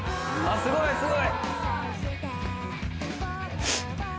すごいすごい。